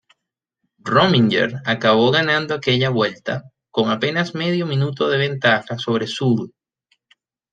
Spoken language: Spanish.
Rominger acabó ganando aquella Vuelta, con apenas medio minuto de ventaja sobre Zülle.